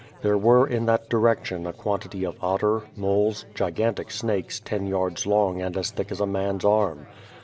There were in that direction a quantity of otter, moles, gigantic snakes, ten yards long and as thick as a man's arm.